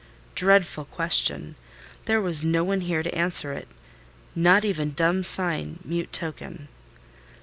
Dreadful question: there was no one here to answer it—not even dumb sign, mute token.